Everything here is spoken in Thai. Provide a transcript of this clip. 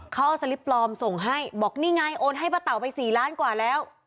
เขาเอาสลิปปลอมส่งให้บอกนี่ไงโอนให้ป้าเต่าไป๔ล้านกว่าแล้ว